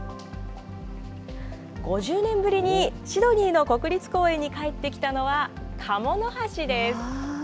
５０年ぶりにシドニーの国立公園に帰ってきたのは、カモノハシです。